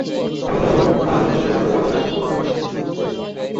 তাঁদের মরদেহ ময়নাতদন্ত শেষে গতকাল রোববার পরিবারের কাছে হস্তান্তর করা হয়েছে।